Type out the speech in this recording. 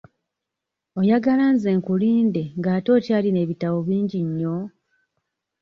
Oyagala nze nkulinde nga ate okyalina ebitabo bingi nnyo?